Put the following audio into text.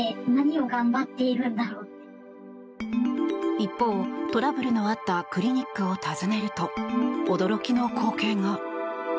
一方、トラブルのあったクリニックを訪ねると驚きの光景が。